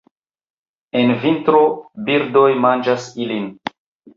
En vintro birdoj manĝas ilin.